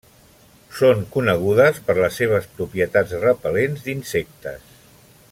Són conegudes per les seves propietats repel·lents d'insectes.